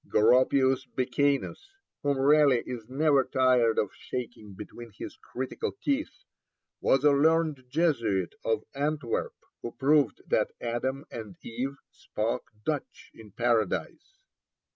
Goropius Becanus, whom Raleigh is never tired of shaking between his critical teeth, was a learned Jesuit of Antwerp, who proved that Adam and Eve spoke Dutch in Paradise.